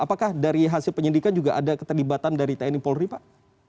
apakah dari hasil penyidikan juga ada keterlibatan dari tni polri pak